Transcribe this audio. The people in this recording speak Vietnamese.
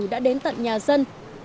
đã đến tận nhà dân